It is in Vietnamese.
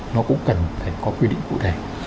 nó cũng cần phải có quy định cụ thể